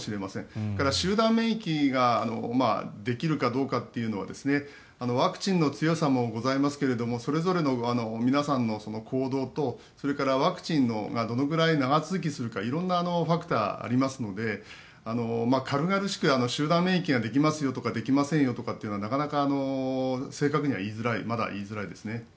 それから集団免疫ができるかどうかというのはワクチンの強さもございますがそれぞれの皆さんの行動とそれからワクチンがどれくらい長続きするか色んなファクターがありますので軽々しく集団免疫ができますよとかできませんよとかっていうのはなかなか正確にはまだ言いづらいですね。